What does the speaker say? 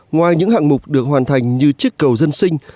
ngoài những hạng mục được hoàn thành như chiếc cầu dân sinh